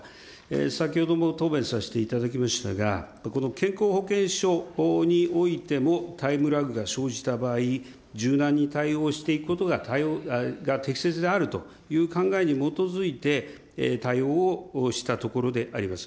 先ほども答弁させていただきましたが、この健康保険証においてもタイムラグが生じた場合、柔軟に対応していくことが対応が適切であるという考えに基づいて、対応をしたところであります。